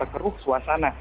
karena teruk suasana